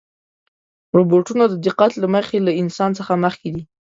روبوټونه د دقت له مخې له انسان څخه مخکې دي.